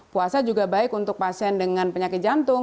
puasa juga baik untuk pasien dengan penyakit jantung